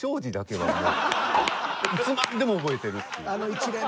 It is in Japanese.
いつまででも覚えてるっていう。